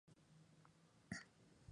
Las comidas se servían antes del vuelo.